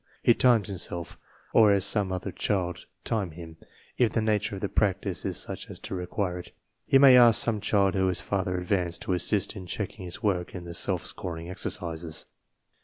He times himself, or has some other child time him, if the nature of the practice is such as to require it. He may ask some child who is farther advanced to assist in checking his work in the self scoring exercises.